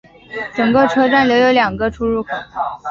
整个车站留有两个出入口。